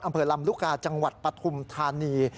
อำเภอลำลูกกาจังหวัดปฐุมธานี